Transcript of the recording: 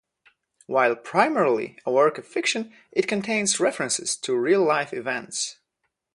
While primarily a work of fiction it contains references to real-life events.